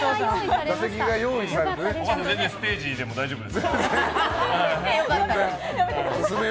全然、ステージでも大丈夫ですよ。